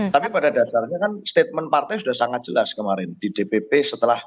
tapi pada dasarnya kan statement partai sudah sangat jelas kemarin di dpp setelah